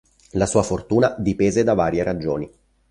La sua fortuna dipese da varie ragioni.